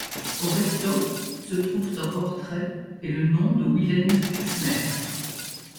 Au recto, se trouvent un portrait et le nom de Wilhelm Exner.